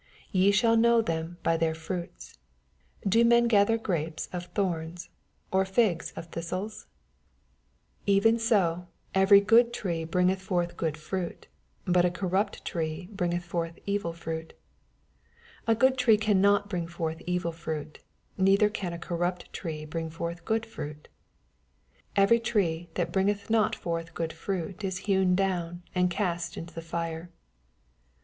16 Ye shall know them by theii fruits. Do men gather grapes of thorns, or figs of thistles t 66 EXPOSITORY THOUOHTa IT Ev«n BO eTeiy good trae bringeth Ibrth good fhiit; bnt a oorrapt tree bringeth forth evil fhiit. 18 A ffood tree cannot bring forth evil ttuMf neither ean a oorrapt tree bring forth good fruit. 19 Every tree thai bringeth ndl forth good frait is hewn down, and ca^t into the Are.